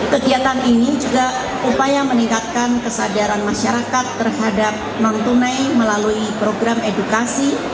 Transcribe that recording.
kegiatan ini juga upaya meningkatkan kesadaran masyarakat terhadap non tunai melalui program edukasi